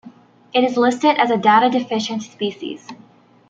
It is listed as a data deficient species.